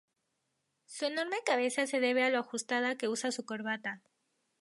Su enorme cabeza se debe a lo ajustada que usa su corbata.